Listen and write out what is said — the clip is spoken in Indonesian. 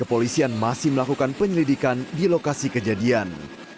kepolisian masih melakukan penyelidikan di lokasi kejadian